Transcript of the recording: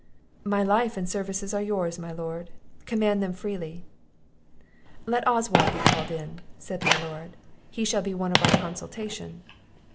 "My life and services are yours, my lord; command them freely." "Let Oswald be called in," said my Lord; "he shall be one of our consultation."